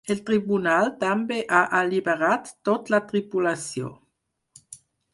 El tribunal també ha alliberat tot la tripulació.